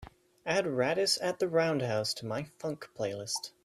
Add Rattus at the Roundhouse to my funk playlist.